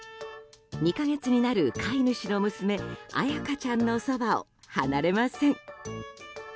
２か月になる飼い主の娘あやかちゃんのそばを離れません。